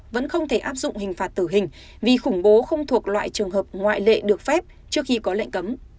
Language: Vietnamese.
vẫn không thể áp dụng hình phạt tử hình vì khủng bố không thuộc loại trường hợp ngoại lệ được phép trước khi có lệnh cấm